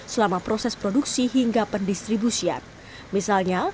selama proses produksi hingga kembali